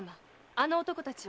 あの男たちは。